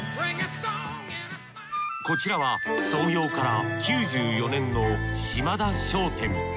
こちらは創業から９４年の島田商店。